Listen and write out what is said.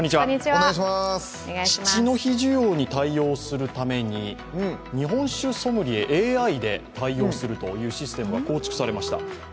父の日需要に対応するために日本酒ソムリエＡＩで対応するシステムが構築されました。